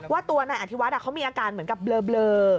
ว่าตัวนายอธิวัฒน์เขามีอาการเหมือนกับเบลอ